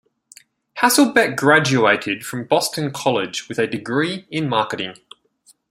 Hasselbeck graduated from Boston College with a degree in marketing.